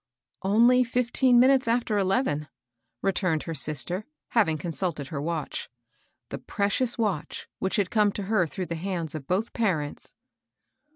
"Only fifteen minutes after eleven," returned her sister, having consulted her watch, — the pre cious watch which had come to her through the hands of both parents.